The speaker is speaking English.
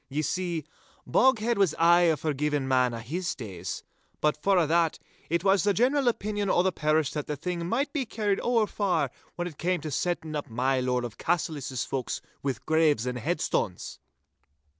Ye see, Boghead was aye a forgiein' man a' his days. But for a' that, it was the general opinion o' the pairish that the thing might be carried ower far, when it cam' to setting up my Lord of Cassillis's folks wi' graves and headstones!